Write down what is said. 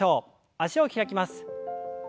脚を開きます。